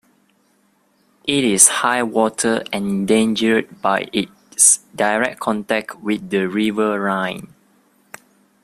It is highwater-endangered by its direct contact with the river Rhine.